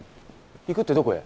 行くってどこへ？